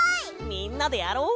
みんなでやろう！